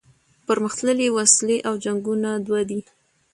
پرمختللي وسلې او جنګونه دوه دي.